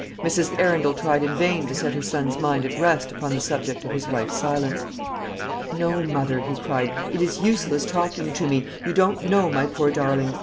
Mrs. Arundel tried in vain to set her son's mind at rest upon the subject of his wife's silence. "No, mother!" he cried; "it is useless talking to me. You don't know my poor darling.